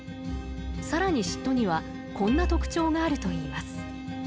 更に嫉妬にはこんな特徴があるといいます。